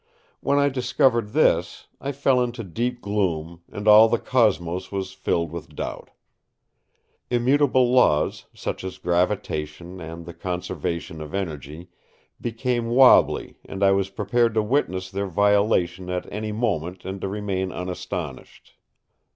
When I discovered this, I fell into deep gloom and all the Cosmos was filled with doubt. Immutable laws, such as gravitation and the conservation of energy, became wobbly, and I was prepared to witness their violation at any moment and to remain unastonished.